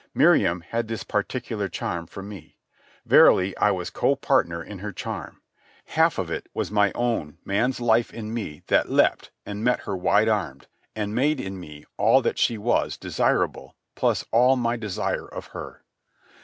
Miriam had this particular charm for me. Verily I was co partner in her charm. Half of it was my own man's life in me that leapt and met her wide armed and made in me all that she was desirable plus all my desire of her.